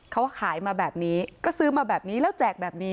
เขาขายมาแบบนี้ก็ซื้อมาแบบนี้แล้วแจกแบบนี้